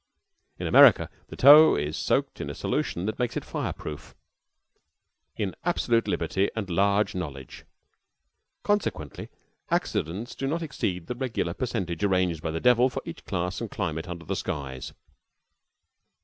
In America the tow is soaked in a solution that makes it fire proof, in absolute liberty and large knowledge; consequently, accidents do not exceed the regular percentage arranged by the devil for each class and climate under the skies.